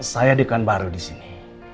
saya dekan baru di sini